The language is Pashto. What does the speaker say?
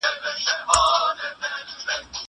زه اجازه لرم چي واښه راوړم!